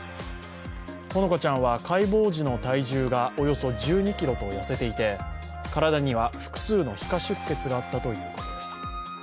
ほのかちゃんは解剖時の体重がおよそ１２ｋｇと痩せていて体には複数の皮下出血があったということです。